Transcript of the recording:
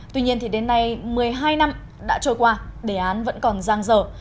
tuy nhiên đến nay một mươi hai năm đã trôi qua đề án vẫn còn giang dở